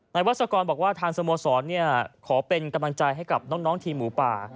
วัศกรบอกว่าทางสโมสรขอเป็นกำลังใจให้กับน้องทีมหมูป่า